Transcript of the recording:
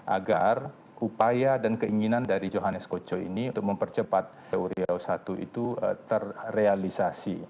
agar upaya dan keinginan dari johannes kocow ini untuk mempercepat uriah satu itu terrealisasi